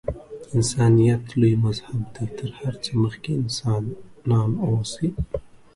انسانیت لوی مذهب دی. تر هر څه مخکې انسانان اوسئ.